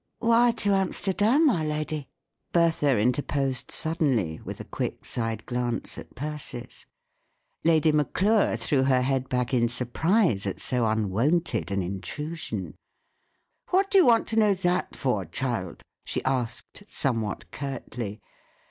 " Why to Amsterdam, my lady ?" Bertha interposed suddenly, with a quick side glance at Persis. Lady Maclure threw her head back in sur¬ prise at so unwonted an intrusion. "What do you want to know that for, child ?" she asked, somewhat curtly.